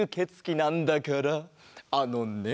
あのね